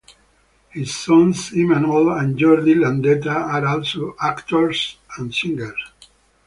His sons Imanol and Jordi Landeta are also actors and singers.